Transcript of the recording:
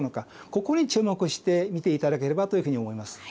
ここに注目して見て頂ければというふうに思います。